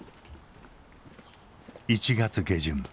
１月下旬。